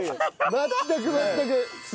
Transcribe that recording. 全く全く。